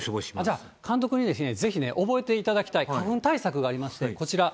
じゃあ、監督にぜひね、覚えていただきたい花粉対策がありまして、こちら。